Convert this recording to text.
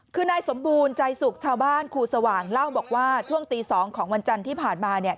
คือนายสมบูรณ์ใจสุขชาวบ้านครูสว่างเล่าบอกว่าช่วงตี๒ของวันจันทร์ที่ผ่านมาเนี่ย